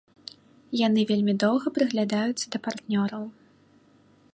Яны вельмі доўга прыглядаюцца да партнёраў.